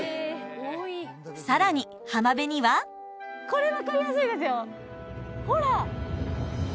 さらに浜辺にはこれ分かりやすいですよほら！